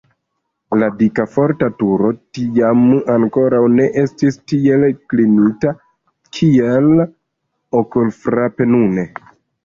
La dika forta turo tiam ankoraŭ ne estis tiel klinita, kiel okulfrape nune.